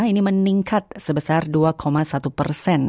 ini meningkat sebesar dua satu persen